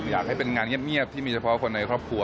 อยากให้เป็นงานเงียบที่มีเฉพาะคนในครอบครัว